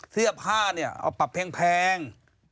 เสื้อผ้าเนี่ยเอาปรับแพง